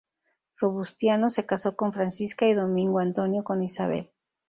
Robustiano se casó con Francisca y Domingo Antonio con Isabel.